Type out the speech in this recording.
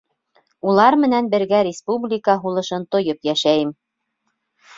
Улар менән бергә республика һулышын тойоп йәшәйем.